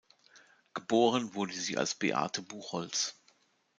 Geboren wurde sie als Beate Buchholz.